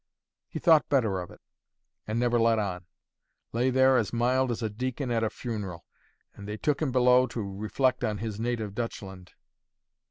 He thought better of it, and never let on; lay there as mild as a deacon at a funeral; and they took him below to reflect on his native Dutchland.